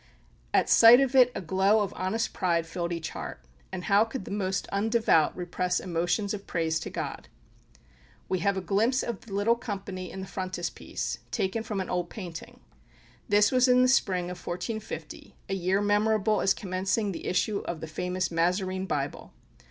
At sight of it a glow of honest pride filled each heart; and how could the most undevout repress emotions of praise to God? We have a glimpse of the little company in the frontispiece, taken from an old painting. This was in the spring of 1450, a year memorable as commencing the issue of the famous Mazarine Bible.